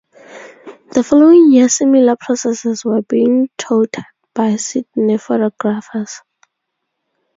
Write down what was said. The following year similar processes were being touted by Sydney photographers.